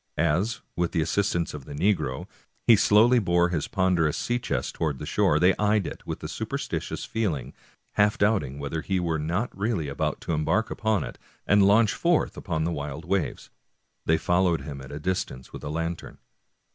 As, with the assist ance of the negro, he slowly bore his ponderous sea chest toward the shore, they eyed it with a superstitious feeling, half doubting whether he were not really about to embark upon it and launch forth upon the wild waves. They fol lowed him at a distance with a lantern.